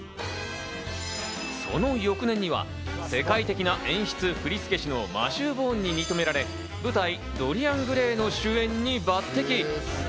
その翌年には世界的な演出振り付け師のマシュー・ボーンに認められ、舞台『ドリアン・グレイ』の主演に抜擢。